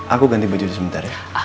aku ganti baju sebentar ya